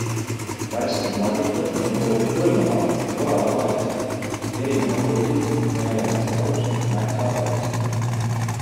Värsked maasikad on toodud Põlvamaalt, Orava vallast, erinevad hoidised Väljaotsa talust Mäksa vallast.